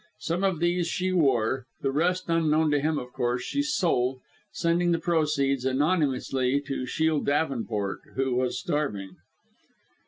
Some of these she wore the rest unknown to him of course she sold; sending the proceeds, anonymously, to Shiel Davenport who was starving.